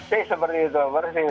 tentu persis seperti itu